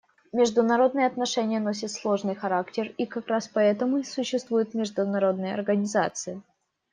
Международные отношения носят сложный характер, и как раз поэтому и существуют международные организации.